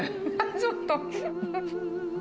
ちょっと。